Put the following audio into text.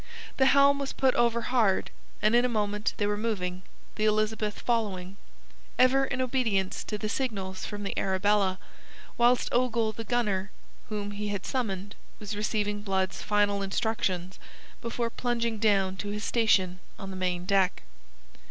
The helm was put over hard, and in a moment they were moving, the Elizabeth following, ever in obedience to the signals from the Arabella, whilst Ogle the gunner, whom he had summoned, was receiving Blood's final instructions before plunging down to his station on the main deck.